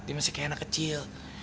dia masih kayak anak kecil